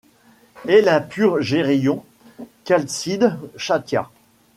Et l’impur Géryon qu’Alcide châtia ;